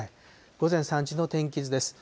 午前３時の天気図です。